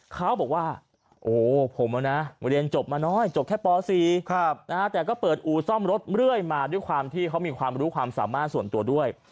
เขาบอกว่าโอ้โหผมเรียนจบมาน้อยจบแค่ป๔แต่ก็เปิดอู่ซ่อมรถเรื่อยมาด้วยความที่เขามีความรู้ความสามารถส่วนตัวด้วย